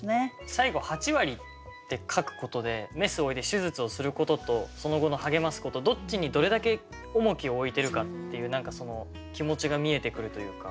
最後「八割」って書くことでメスを置いて手術をすることとその後の励ますことどっちにどれだけ重きを置いてるかっていう何かその気持ちが見えてくるというか。